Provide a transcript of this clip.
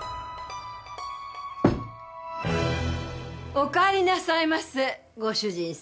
お帰りなさいませご主人様。